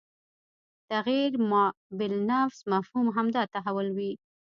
تغیر ما بالانفس مفهوم همدا تحول وي